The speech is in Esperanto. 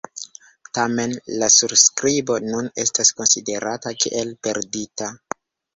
Tamen la surskribo nun estas konsiderata kiel perdita.